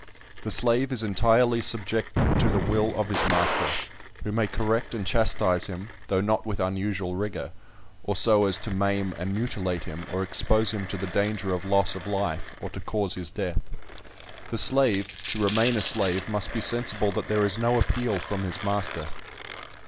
The slave is entirely subject to the will of his master, who may correct and chastise him, though not with unusual rigour, or so as to maim and mutilate him, or expose him to the danger of loss of life, or to cause his death. The slave, to remain a slave, must be sensible that there is no appeal from his master."